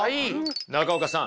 中岡さん